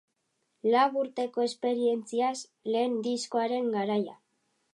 Lau urteko esperientziaz, lehen diskoaren garaia.